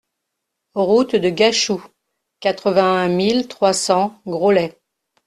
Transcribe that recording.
Route de Gachou, quatre-vingt-un mille trois cents Graulhet